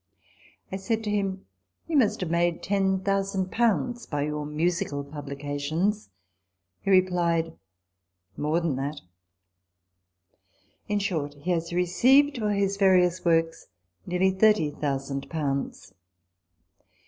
I said to him, " You must have made ten thousand pounds by your musical publications." He replied, " More than that." In short, he has received for his various works nearly thirty thousand pounds.